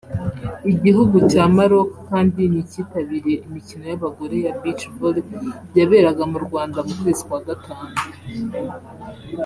Igihugu cya Maroc kandi nticyitabiriye imikino y’abagore ya Beach volley yaberaga mu Rwanda mu kwezi kwa gatanu